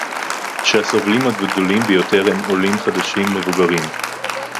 שהסובלים הגדולים ביותר הם עולים חדשים מבוגרים